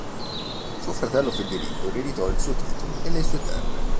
Suo fratello Federico ereditò il suo titolo e le sue terre.